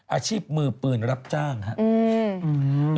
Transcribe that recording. อาชีพมือปืนรับจ้างครับ